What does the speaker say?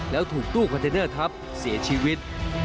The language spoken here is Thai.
แล้วถูกตู้คอนเทนเนอร์ทับเสียชีวิต